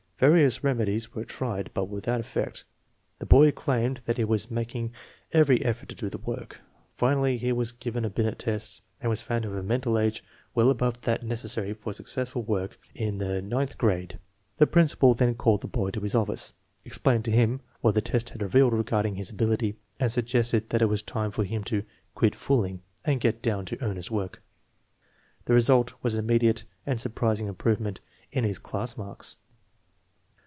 Various remedies were tried, but without effect. The boy claimed that he was making every effort to do the work. Finally he was given a Binet test and was found to have a mental age well above that necessary for successful work in the ninth 108 INTELLIGENCE OF SCHOOL CHILDREN grade. The principal then called the boy to his office, explained to him what the test had revealed regarding his ability, and suggested that it was time for him to " quit fooling " and get down to earnest work. The result was an immediate and surprising improvement in his class marks.